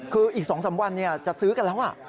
คืออีก๒๓วันจะซื้อกันแล้ว